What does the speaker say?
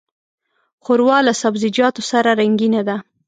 ښوروا له سبزيجاتو سره رنګینه ده.